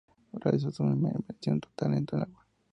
Se realiza por inmersión total en agua.